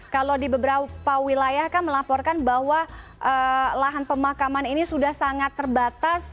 kalau di beberapa wilayah kan melaporkan bahwa lahan pemakaman ini sudah sangat terbatas